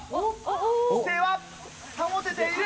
姿勢は保てている。